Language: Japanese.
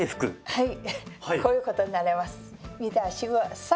はい。